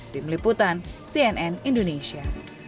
tim liputan cnn indonesia